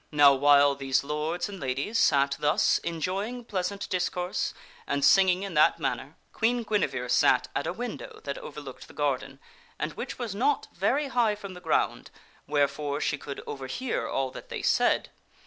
Now while these lords and ladies sat thus enjoying pleasant discourse and singing in that manner, Queen Guinevere sat at a window that over looked the garden, and which was not very high from the ground, where fore she could overhear all that they said.